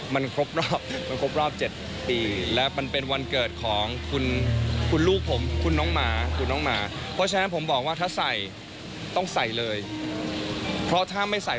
มันครบรอบ๗ปี